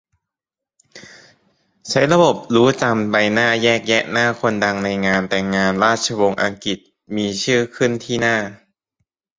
ใช้ระบบรู้จำใบหน้าแยกแยะหน้าคนดังในงานแต่งงานราชวงศ์อังกฤษ มีชื่อขึ้นที่หน้า